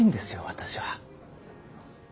私は。